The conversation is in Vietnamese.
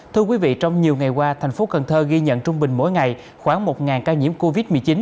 thưa quý vị trong nhiều ngày qua thành phố cần thơ ghi nhận trung bình mỗi ngày khoảng một ca nhiễm covid một mươi chín